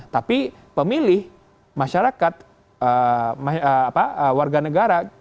tapi pemilih masyarakat warga negara